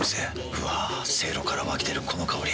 うわせいろから湧き出るこの香り。